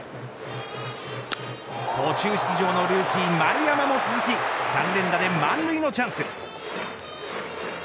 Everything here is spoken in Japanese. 途中出場のルーキー丸山も続き３連打で満塁のチャンス。